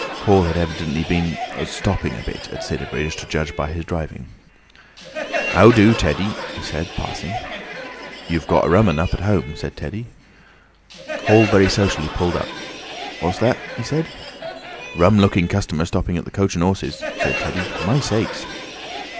Hall had evidently been "stopping a bit" at Sidderbridge, to judge by his driving. "'Ow do, Teddy?" he said, passing. "You got a rum un up home!" said Teddy. Hall very sociably pulled up. "What's that?" he asked. "Rum looking customer stopping at the 'Coach and Horses,'" said Teddy. "My sakes!"